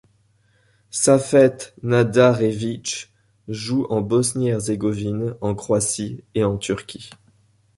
Safet Nadarević joue en Bosnie-Herzégovine, en Croatie, et en Turquie.